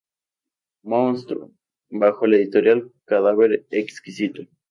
Monstruo", bajo la Editorial Cadáver Exquisito.